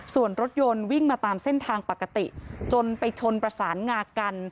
ส่วนรถยนต์วิ่งมาตามเส้นทางปกติจนไปชนประสานงากัน